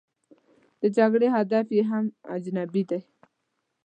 د جګړې هدف یې هم اجنبي دی.